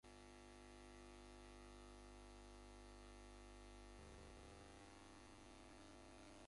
The family eventually moved to Closter, New Jersey some years later.